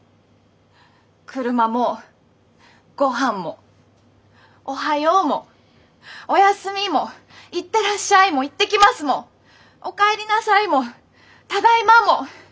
車もご飯もおはようもおやすみも行ってらっしゃいも行ってきますもお帰りなさいもただいまもなくなるんだよ